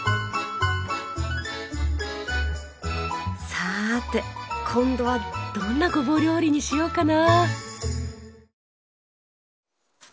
さて今度はどんなごぼう料理にしようかな。